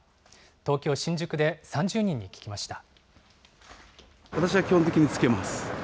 東京・新宿で３０人に聞きました。